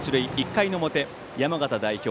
１回の表、山形代表